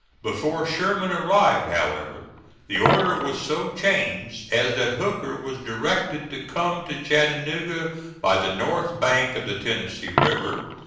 Before Sherman arrived, however, the order was so changed as that Hooker was directed to come to Chattanooga by the north bank of the Tennessee River.